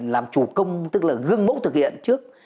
làm chủ công tức là gương mẫu thực hiện trước